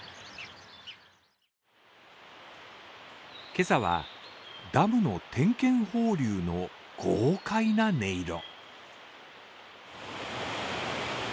今朝はダムの点検放流の豪快な音色。